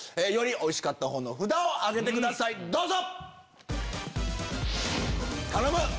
よりおいしかったほうの札を挙げてくださいどうぞ！頼む！